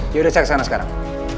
yaudah saya kesana sekarang